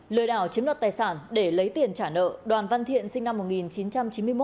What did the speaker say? lừa đảo chiếm đoạt tài sản để lấy tiền trả nợ đoàn văn thiện sinh năm một nghìn chín trăm chín mươi một